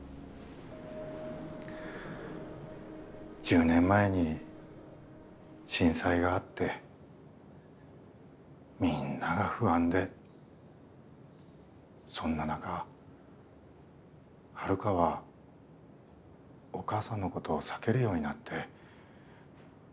１０年前に震災があってみんなが不安でそんな中ハルカはお母さんのことを避けるようになって。